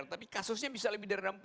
tapi kasusnya bisa lebih dari enam puluh